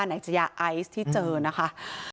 ในยาไอซ์ที่เจอนะคะ